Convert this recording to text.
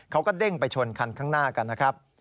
เขาก็เด้งไปชนคันข้างหน้ากันนะครับ